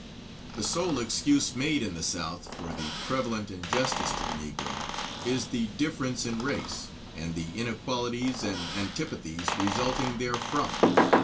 The sole excuse made in the South for the prevalent injustice to the Negro is the difference in race, and the inequalities and antipathies resulting therefrom.